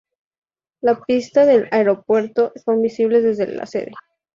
Las pistas del aeropuerto son visibles desde la sede.